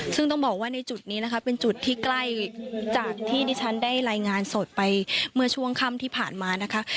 ซึ่งต้องบอกว่าในจุดนี้นะคะเป็นจุดที่ใกล้จากที่ดิฉันได้รายงานสดไปเมื่อช่วงค่ำที่ผ่านมานะคะ